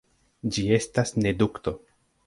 Ĝi estas ne dukto.